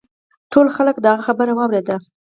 ټولو خلکو د هغه خبره واوریده.